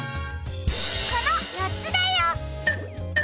このよっつだよ！